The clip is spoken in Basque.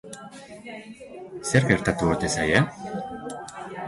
Zer gertatuko ote zaie?